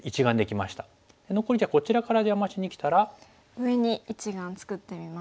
上に一眼作ってみます。